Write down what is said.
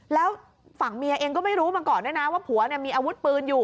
แล้วฝั่งเมียเองก็ไม่รู้มาก่อนด้วยนะว่าผัวมีอาวุธปืนอยู่